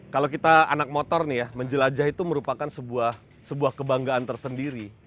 kalau kita anak motor nih ya menjelajah itu merupakan sebuah kebanggaan tersendiri